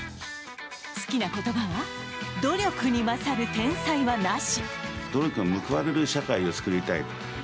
好きな言葉は、「努力に勝る天才はなし」。